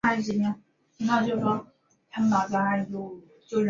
小行星卫星是指环绕另一颗小行星运行的小行星。